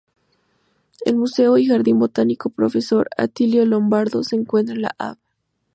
El Museo y Jardín Botánico Profesor Atilio Lombardo se encuentra en la Av.